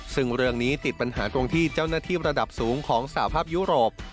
ซึ่งเรื่องนี้ติดปัญหาตรงที่เจ้าหน้าที่ระดับสูงของสหภาพยุโรป